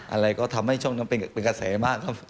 อะไรก็ทำให้ช่วงนั้นเป็นกระแสมากครับ